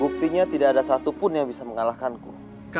buktinya tidak ada satu penyakit yang tidak bisa dikaburkan dari mereka